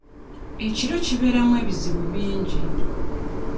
Ekiro kibeeramu ebizibu bingi.